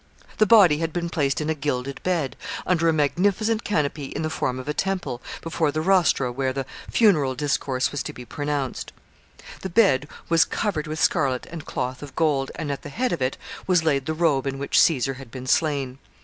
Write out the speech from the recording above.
The body had been placed in a gilded bed, under a magnificent canopy in the form of a temple, before the rostra where the funeral discourse was to be pronounced. The bed was covered with scarlet and cloth of gold and at the head of it was laid the robe in which Caesar had been slain.